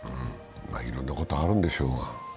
いろんなことあるんでしょうが。